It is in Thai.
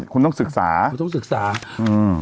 คุณต้องศึกษาคุณต้องศึกษาอืม